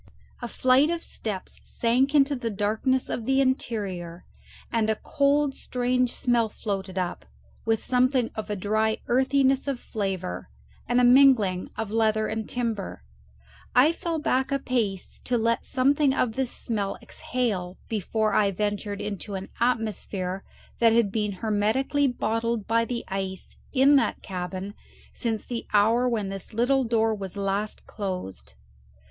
A flight of steps sank into the darkness of the interior, and a cold strange smell floated up, with something of a dry earthiness of flavour and a mingling of leather and timber. I fell back a pace to let something of this smell exhale before I ventured into an atmosphere that had been hermetically bottled by the ice in that cabin since the hour when this little door was last closed.